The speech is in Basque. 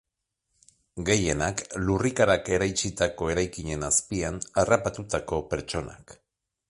Gehienak, lurrikarak eraitsitako eraikinen azpian harrapatutako pertsonak.